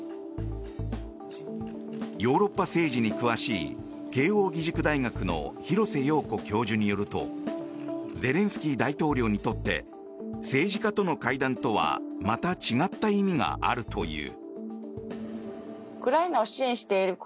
ヨーロッパ政治に詳しい慶應義塾大学の廣瀬陽子教授によるとゼレンスキー大統領にとって政治家との会談とはまた違った意味があるという。